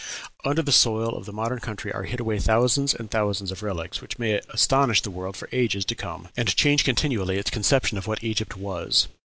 Under the soil of the modern country are hid away thousands and thousands of relics which may astonish the world for ages to come, and change continually its conception of what Egypt was.